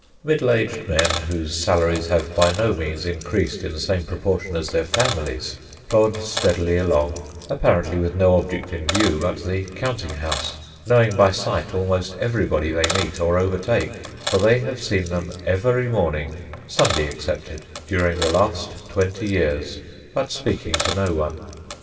Middle aged men, whose salaries have by no means increased in the same proportion as their families, plod steadily along, apparently with no object in view but the counting house ; knowing by sight almost everybody they meet or overtake, for they have seen them every morning (Sundays excepted) during the last twenty years, but speaking to no one.